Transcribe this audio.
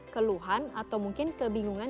keluhan atau mungkin kebingungan